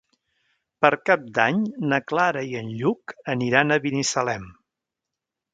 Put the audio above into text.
Per Cap d'Any na Clara i en Lluc aniran a Binissalem.